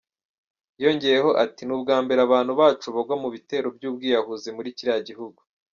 Yongeyeho ati "Ni ubwambere abantu bacu bagwa mu bitero by’ubwiyahuzi muri kiriya gihugu.